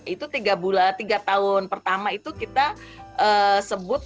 itu tiga tahun pertama itu kita sebut